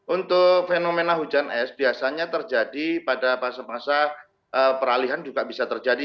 untuk fenomena hujan es biasanya terjadi pada masa masa peralihan juga bisa terjadi